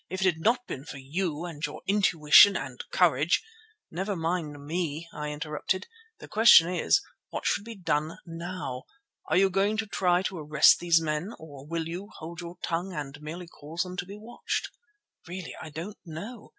"If it had not been for you and your intuition and courage——" "Never mind me," I interrupted. "The question is—what should be done now? Are you going to try to arrest these men, or will you—hold your tongue and merely cause them to be watched?" "Really I don't know.